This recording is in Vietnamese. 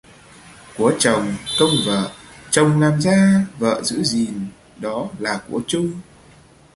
Của chồng, công vợ: chồng làm ra, vợ gìn giữ, đó là của chung.